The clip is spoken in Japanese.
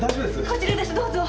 こちらですどうぞ。